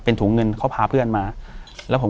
อยู่ที่แม่ศรีวิรัยิลครับ